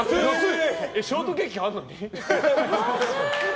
ショートケーキあるのに？